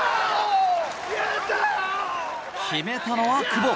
決めたのは久保。